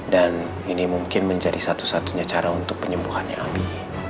dan ini mungkin menjadi satu satunya cara untuk penyembuhannya abi